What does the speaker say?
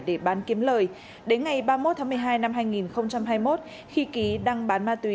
để bán kiếm lời đến ngày ba mươi một tháng một mươi hai năm hai nghìn hai mươi một khi ký đang bán ma túy